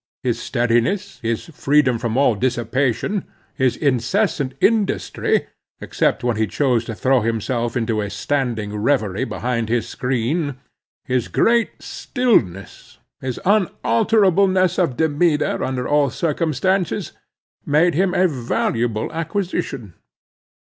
His steadiness, his freedom from all dissipation, his incessant industry (except when he chose to throw himself into a standing revery behind his screen), his great stillness, his unalterableness of demeanor under all circumstances, made him a valuable acquisition.